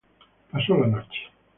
Pasó la noche.